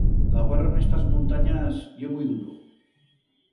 L'agüerro en estas montanyas ye muit duro.